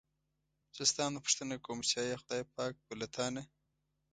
زه ستا نه پوښتنه کووم چې ایا خدای پاک به له تا نه.